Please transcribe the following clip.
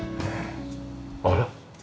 あれ？